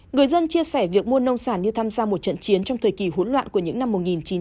người dân chia sẻ việc mua nông sản như tham gia một trận chiến trong thời kỳ hỗn loạn của những năm một nghìn chín trăm bảy mươi